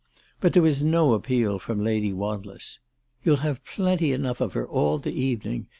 But there was no appeal from Lady Wanless. " You'll have plenty enough of her all the evening."